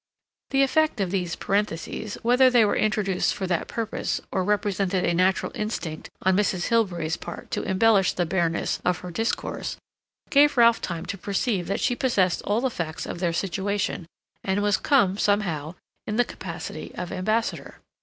The effect of these parentheses, whether they were introduced for that purpose or represented a natural instinct on Mrs. Hilbery's part to embellish the bareness of her discourse, gave Ralph time to perceive that she possessed all the facts of their situation and was come, somehow, in the capacity of ambassador.